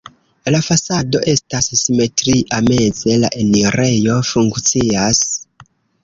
La fasado estas simetria, meze la enirejo funkcias.